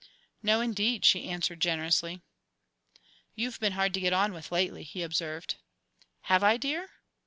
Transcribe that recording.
"No, indeed," she answered, generously. "You've been hard to get on with lately," he observed. "Have I, dear?"